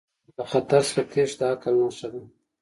له خطر څخه تیښته د عقل نښه ده.